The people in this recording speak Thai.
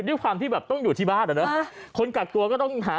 ด้วยความที่แบบต้องอยู่ที่บ้านอ่ะเนอะคนกักตัวก็ต้องหา